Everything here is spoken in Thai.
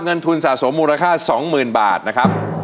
เงินทุนสะสมมูลค่า๒๐๐๐บาทนะครับ